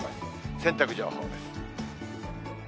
洗濯情報です。